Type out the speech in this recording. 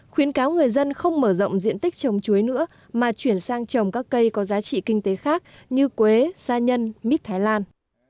khuyến cáo người dân không mở rộng diện tích trồng chuối nữa mà chuyển sang trồng các cây có giá trị kinh tế khác như quế sa nhân mít thái lan